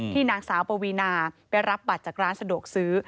นางสาวปวีนาไปรับบัตรจากร้านสะดวกซื้อ